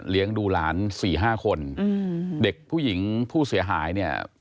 ดูหลานสี่ห้าคนอืมเด็กผู้หญิงผู้เสียหายเนี่ย